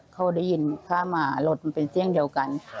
เขาได้ยินผ้าหมารถมันเป็นเสี่ยงเดียวกัน